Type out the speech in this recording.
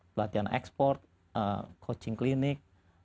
pelatihan ekspor coaching klinik